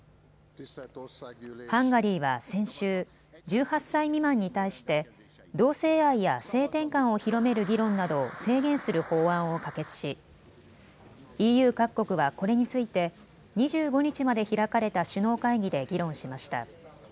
ハンガリーは先週、１８歳未満に対して同性愛や性転換を広める議論などを制限する法案を可決しＥＵ各国はこれについて２５日まで開かれた首脳会議で議論しました。